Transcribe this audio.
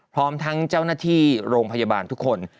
พร้อมทั้งเจ้าหน้าที่โรงพยาบาลทุกคน